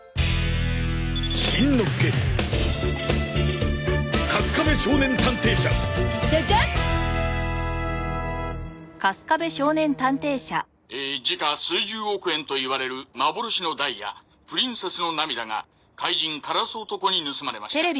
しんのすけ「時価数十億円といわれる幻のダイヤプリンセスの涙が怪人カラス男に盗まれました」